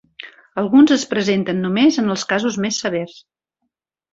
Alguns es presenten només en els casos més severs.